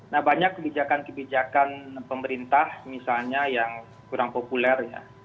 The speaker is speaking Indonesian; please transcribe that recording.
nah banyak kebijakan kebijakan pemerintah misalnya yang kurang populer ya